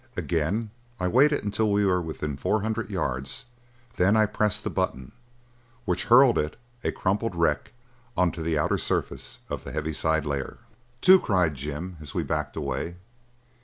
Again I waited until we were within four hundred yards; then I pressed the button which hurled it, a crumpled wreck, onto the outer surface of the heaviside layer. "Two!" cried Jim as we backed away.